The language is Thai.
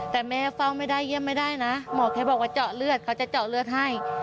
แต่แม่เฝ้าไม่ได้เยี่ยมไม่ได้นะหมอแค่บอกว่าเจาะเลือดเขาจะเจาะเลือดให้